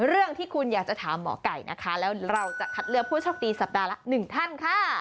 เรื่องที่คุณอยากจะถามหมอไก่นะคะแล้วเราจะคัดเลือกผู้โชคดีสัปดาห์ละ๑ท่านค่ะ